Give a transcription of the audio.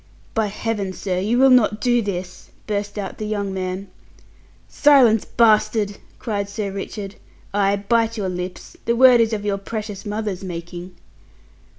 "By Heaven, sir, you will not do this!" burst out the young man. "Silence, bastard!" cried Sir Richard. "Ay, bite your lips; the word is of your precious mother's making!"